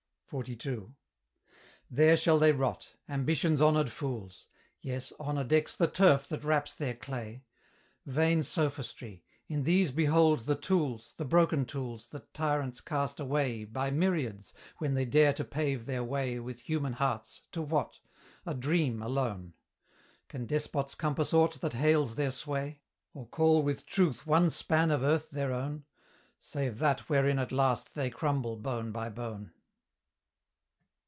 XLII. There shall they rot Ambition's honoured fools! Yes, Honour decks the turf that wraps their clay! Vain Sophistry! in these behold the tools, The broken tools, that tyrants cast away By myriads, when they dare to pave their way With human hearts to what? a dream alone. Can despots compass aught that hails their sway? Or call with truth one span of earth their own, Save that wherein at last they crumble bone by bone?